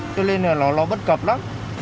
cho nên là nó bất cập lắm